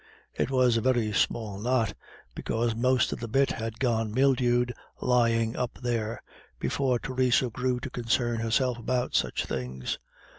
It was a very small knot, because most of the bit had got mildewed lying up, before Theresa grew to concern herself about such things.